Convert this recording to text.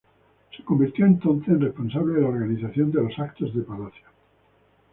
Se convirtió, entonces, en responsable de la organización de los eventos de palacio.